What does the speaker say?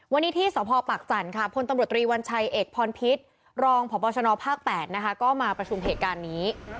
วันนี้ที่สพปากจันทร์ค่ะพลตำรวจตรีวัญชัยเอกพรพิษรองพบชนภาค๘นะคะก็มาประชุมเหตุการณ์นี้